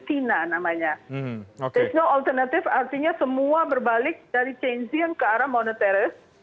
there's no alternative artinya semua berbalik dari keynesian ke arah monetaris